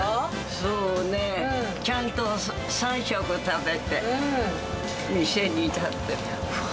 そうね、ちゃんと３食食べて、店に立つこと。